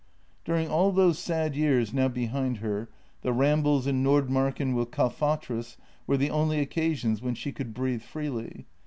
During all those sad years now behind her, the rambles in Nordmarken with Kalfatrus were the only occasions when she could breathe freely.